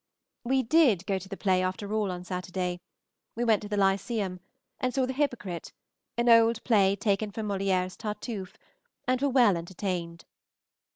We did go to the play, after all, on Saturday. We went to the Lyceum, and saw the "Hypocrite," an old play taken from Molière's "Tartuffe," and were well entertained.